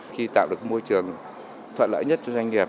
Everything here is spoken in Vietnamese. khi tạo được môi trường thuận lợi nhất cho doanh nghiệp